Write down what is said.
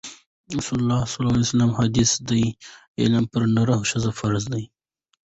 د رسول الله ﷺ حدیث دی: علم پر نر او ښځي فرض دی